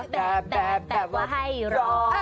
แบบแบบแบบว่าให้รอ